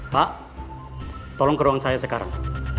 pak tolong ke ruang saya sekarang